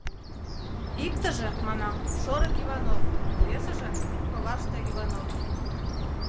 Иктыже, манам, шорык Иванов, весыже — коваште Иванов.